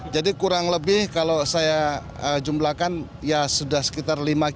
jadi kurang lebih kalau saya jumlakan ya sudah sekitar lima kisah